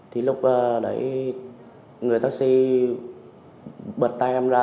thì lúc đấy người taxi bật tay em ra